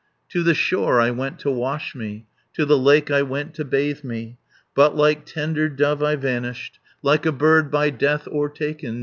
"To the shore I went to wash me, To the lake I went to bathe me, But, like tender dove, I vanished, Like a bird by death o'ertaken.